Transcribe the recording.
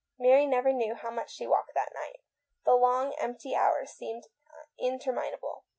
Mary never knew how much she walked that night. The long, empty hours seemed interminable.